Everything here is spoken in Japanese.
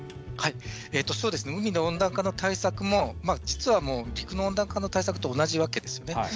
海の温暖化の対策も実は陸の温暖化の対策と同じわけですね。